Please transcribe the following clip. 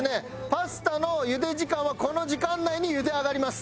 パスタの茹で時間はこの時間内に茹で上がります。